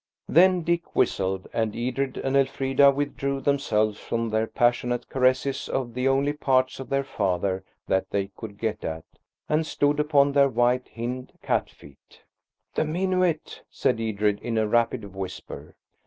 Then Dick whistled, and Edred and Elfrida withdrew themselves from their passionate caresses of the only parts of their father that they could get at, and stood upon their white hind cat feet. "The minuet," said Edred, in a rapid whisper.